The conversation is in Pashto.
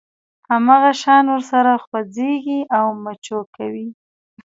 هماغه شان ورسره خوځېږي او مچو کوي.